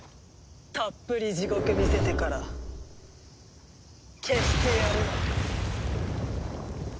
たっぷり地獄見せてから消してやる。